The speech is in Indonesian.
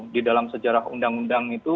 di dalam sejarah undang undang itu